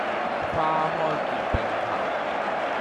花開結並頭